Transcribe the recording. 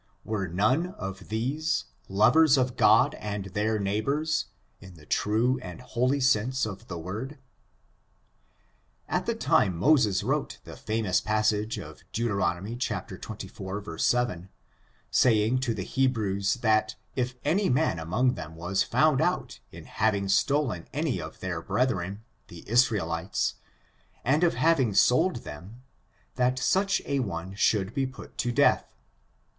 Were none of these lovers of God and their neighbors, in the true and holy sense of the word? At the time Moses wrote the famous passage of Deut. xxiv, 7, saying to the Hebrews, that if any man among them was found out in having stolen any of their brethren, the Israelites, and of having sold them, that such a one should be put to death.